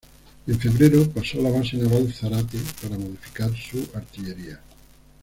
En febrero pasó a la Base Naval Zárate para modificar su artillería.